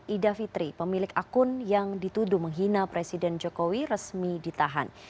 ida fitri pemilik akun yang dituduh menghina presiden jokowi resmi ditahan